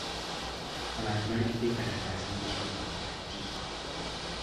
Abantu bali mu kwekalakaasa mu kibuga wakati.